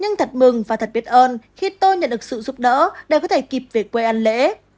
nhưng thật mừng và thật biết ơn khi tôi nhận được sự giúp đỡ để có thể kịp về quê ăn lễ